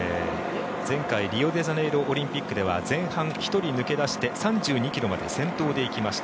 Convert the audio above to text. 前回リオデジャネイロオリンピックでは前半、１人抜け出して３２ｋｍまで先頭で行きました。